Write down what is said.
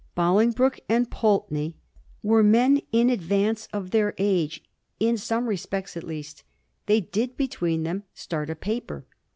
Bolingbroke and Pulteney were men in advance of their age ; in some respects at least. They did between them start a paper.